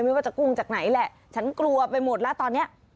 ไม่ว่าจะกุ้งจากไหนแหละฉันกลัวไปหมดแล้วตอนนี้